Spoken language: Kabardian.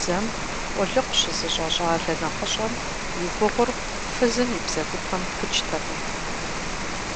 Дзэм къулыкъу щызыщӀэ щӀалэ нэхъыщӀэм и гугъур фызым и бзэгупэм пыкӀтэкъым.